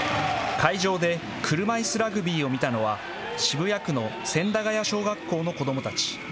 会場で車いすラグビーを見たのは渋谷区の千駄谷小学校の子どもたち。